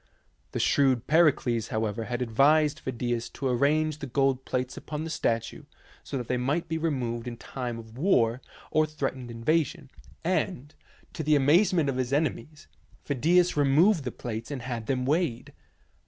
The shrewd Pericles, however, had advised Phidias to arrange the gold plates upon the statue so that they might be removed in time of war or of threat ened invasion, and, to the amazement of his ene mies, Phidias removed the plates and had them weighed.